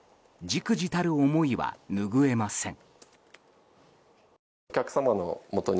忸怩たる思いは拭えません。